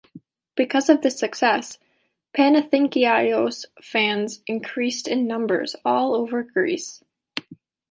Because of this success, Panathinaikos fans increased in numbers all over Greece.